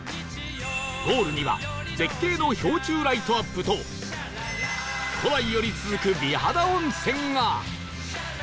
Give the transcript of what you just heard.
ゴールには絶景の氷柱ライトアップと古来より続く美肌温泉が